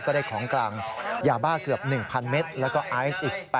ก็ได้ของกลางยาบ้าเกือบ๑๐๐๐เมตรแล้วก็อีซอีก๘๓กรัม